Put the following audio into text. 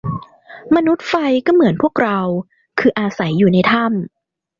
มนุษย์ไฟก็เหมือนพวกเรา คืออาศัยอยู่ในถ้ำ